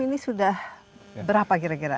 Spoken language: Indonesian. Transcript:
ini sudah berapa kira kira